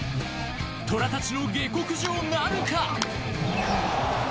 虎たちの下剋上なるか？